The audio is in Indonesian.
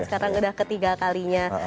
sekarang udah ketiga kalinya